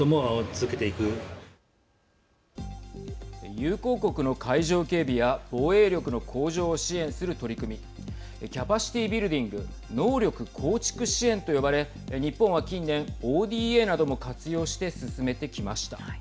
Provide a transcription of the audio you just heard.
友好国の海上警備や防衛力の向上を支援する取り組みキャパシティー・ビルディング＝能力構築支援と呼ばれ日本は近年ＯＤＡなども活用して進めてきました。